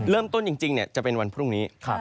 เริ่มต้นจริงจะเป็นวันพรุ่งนี้